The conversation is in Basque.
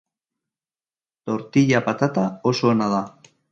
tortilla patata oso ona da